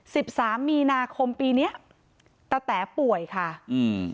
สิบสามมีนาคมปีเนี้ยตะแต๋ป่วยค่ะอืม